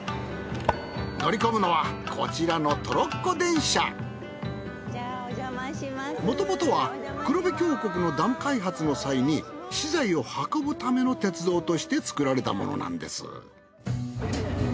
乗り込むのはこちらのもともとは黒部峡谷のダム開発の際に資材を運ぶための鉄道として造られたものなんです。